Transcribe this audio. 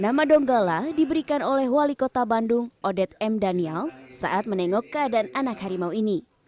nama donggala diberikan oleh wali kota bandung odet m daniel saat menengok keadaan anak harimau ini